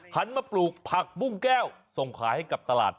หันมาปลูกผักบุ้งแก้วส่งขายให้กับตลาด